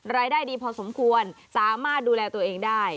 รายได้ดีพอสมควรสามารถดูแลตัวเองได้